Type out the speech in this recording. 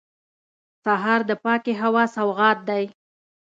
سهار د پاکې هوا سوغات دی.